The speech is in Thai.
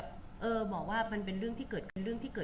บุ๋มประดาษดาก็มีคนมาให้กำลังใจเยอะ